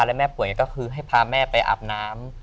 และแม่ป่วยก็คือให้พาแม่ไปอาบน้ำ